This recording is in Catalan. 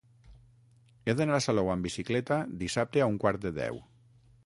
He d'anar a Salou amb bicicleta dissabte a un quart de deu.